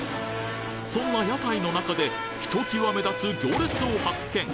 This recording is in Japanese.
そんな屋台の中でひと際目立つ行列を発見！